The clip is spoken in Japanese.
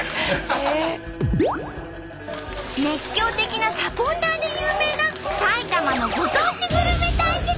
熱狂的なサポーターで有名な埼玉のご当地グルメ対決！